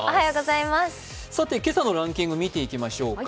今朝のランキングを見ていきましょうか。